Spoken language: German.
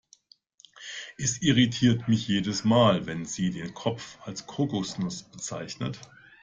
Es irritiert mich jedes Mal, wenn sie den Kopf als Kokosnuss bezeichnet.